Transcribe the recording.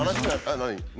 何？